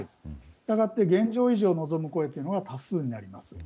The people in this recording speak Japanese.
したがって現状維持を望む声が多数になります。